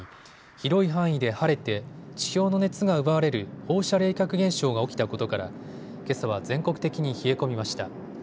広い範囲で晴れて地表の熱が奪われる放射冷却現象が起きたことからけさは全国的に冷え込みました。